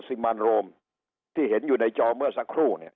สิมันโรมที่เห็นอยู่ในจอเมื่อสักครู่เนี่ย